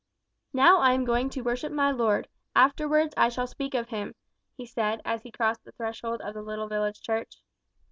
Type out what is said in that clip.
"Now I am going to worship my Lord, afterwards I shall speak of him," he said, as he crossed the threshold of the little village church.